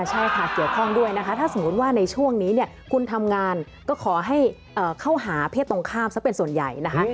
ใช่ค่ะเกี่ยวข้องด้วยนะคะถ้าสมมุติว่าในช่วงนี้เนี่ยคุณทำงานก็ขอให้เข้าหาเพศตรงข้ามซะเป็นส่วนใหญ่นะคะ